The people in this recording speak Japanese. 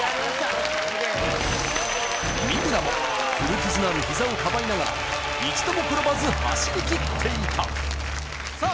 三村も古傷のある膝をかばいながら一度も転ばず走り切っていたさあ